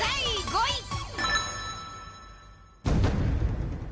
第５位。